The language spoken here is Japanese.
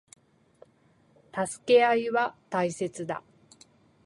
助け合いは大切だ。